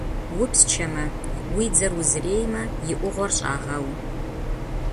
Упсчэмэ, уи дзэр узреймэ, и ӏугъуэр щӏагъэу.